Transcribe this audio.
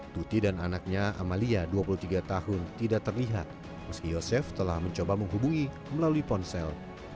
tuti dan anaknya amalia dua puluh tiga tahun tidak terlihat meski yosef telah mencoba menghubungi melalui ponsel